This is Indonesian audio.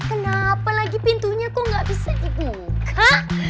kenapa lagi pintunya kok nggak bisa dibuka